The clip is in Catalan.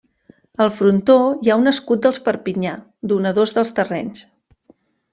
Al frontó hi ha un escut dels Perpinyà, donadors dels terrenys.